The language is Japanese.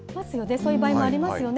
そういう場合もありますよね。